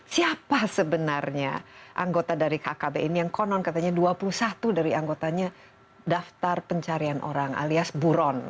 siapa sebenarnya anggota dari kkb ini yang konon katanya dua puluh satu dari anggotanya daftar pencarian orang alias buron